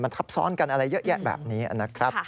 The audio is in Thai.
ทับซ้อนกันอะไรเยอะแยะแบบนี้นะครับ